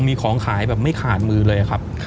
มีของขายแบบไม่ขาดมือเลยครับ